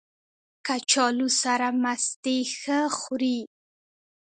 کچالو سره مستې ښه خوري